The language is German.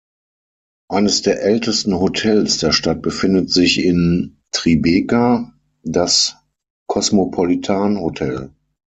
Eines der ältesten Hotels der Stadt befindet sich in Tribeca, das Cosmopolitan Hotel.